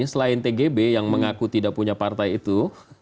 selain tgb yang mengaku tidak punya partai itu